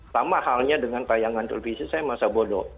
sama halnya dengan tayangan televisi saya masa bodoh